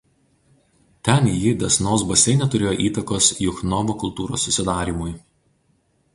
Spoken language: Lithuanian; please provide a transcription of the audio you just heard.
Ten ji Desnos baseine turėjo įtakos Juchnovo kultūros susidarymui.